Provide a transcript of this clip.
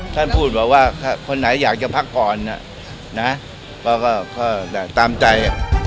ท่านพูดบอกว่าคนไหนอยากจะพักผ่อนก็แต่ตามใจ